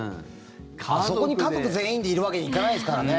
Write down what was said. あそこに家族全員でいるわけにいかないですからね。